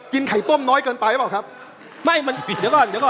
กินไข่ต้มน้อยเกินไปเราเปล่าครับ